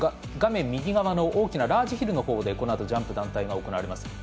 画面右側の大きなラージヒルのほうでこのあとジャンプ団体が行われます。